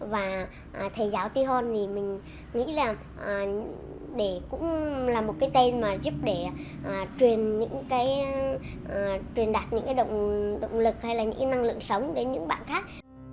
và thầy giáo tí hôn thì mình nghĩ là cũng là một cái tên mà giúp để truyền đạt những động lực hay là những năng lượng sống đến những bạn khác